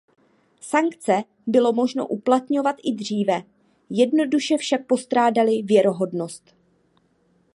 Sankce bylo možno uplatňovat i dříve; jednoduše však postrádaly věrohodnost.